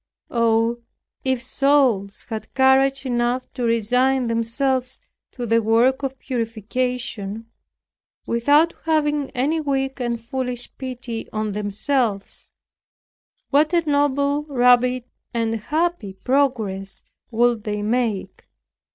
Oh, if souls had courage enough to resign themselves to the work of purification, without having any weak and foolish pity on themselves, what a noble, rapid and happy progress would they make!